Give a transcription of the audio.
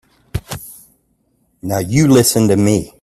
Now you listen to me.